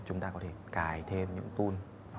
chúng ta có thể cài thêm những tool